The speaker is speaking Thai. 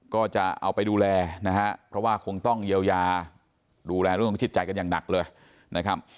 ก็จะเอาไปดูแลนะฮะเพราะว่าคงต้องเยียวยาดูแลเรื่องของจิตใจกันอย่างหนักเลยนะครับ